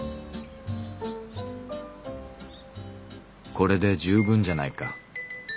「これで十分じゃないか。